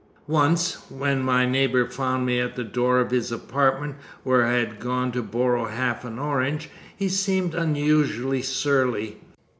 Once, when my neighbor found me at the door of his apartment, where I had gone to borrow half an orange, he seemed unusually surly.